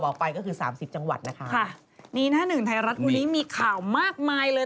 นี้หน้านึ่งไทยรัฐปุ่นีมีข่าวมากมายเลย